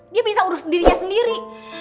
dia bisa urus dirinya sendiri